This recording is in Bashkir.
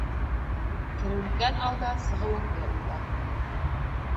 Кереүендән алда сығыуыңды уйла.